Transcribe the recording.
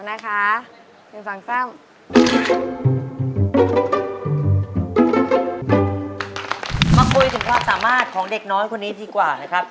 มาคุยถึงความสามารถของเด็กน้อยคนนี้ดีกว่า